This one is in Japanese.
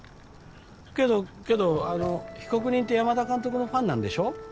けどけど被告人って山田監督のファンなんでしょ？